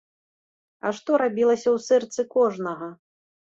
А што рабілася ў сэрцы кожнага?